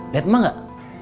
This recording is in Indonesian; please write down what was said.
lihat emak gak